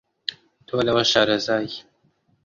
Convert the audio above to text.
تۆ لەوە شارەزای